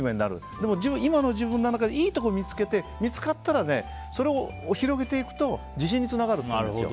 でも今の自分のいいところを見つけて見つかったらそれを広げていくと自信につながるっていうんですよ。